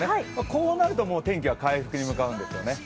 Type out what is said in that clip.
こうなると天気は回復に向かうんですよね。